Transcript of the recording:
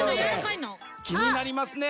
きになりますね。